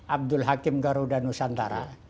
abdul hakim garuda nusantara